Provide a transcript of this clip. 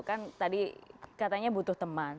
kan tadi katanya butuh teman